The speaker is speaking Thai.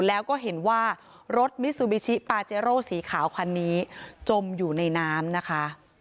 แล้วก็เห็นว่ารถมิซูบิชิปาเจโร่สีขาวคันนี้จมอยู่ในน้ำนะคะ